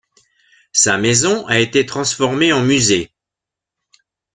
Sa maison a été transformée en musée.